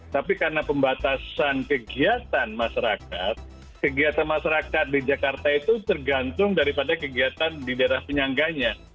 tapi karena pembatasan kegiatan masyarakat kegiatan masyarakat di jakarta itu tergantung daripada kegiatan di daerah penyangganya